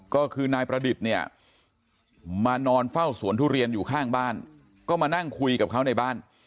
ก็คือนายประดิษฐ์เนี่ยมานอนเฝ้าสวนทุเรียนอยู่ข้างบ้านก็มานั่งคุยกับเขาในบ้าน